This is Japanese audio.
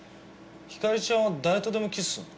ひかりちゃんは誰とでもキスすんの？